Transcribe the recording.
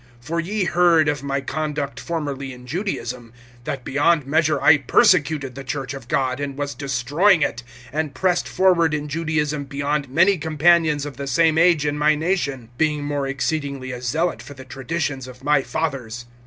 (13)For ye heard of my conduct formerly in Judaism; that beyond measure I persecuted the church of God, and was destroying it, (14)and pressed forward in Judaism beyond many companions of the same age in my nation, being more exceedingly a zealot for the traditions of my fathers.